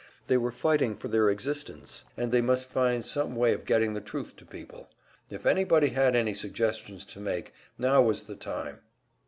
They were fighting for their existence, and they must find some way of getting the truth to people. If anybody had any suggestions to make, now was the time.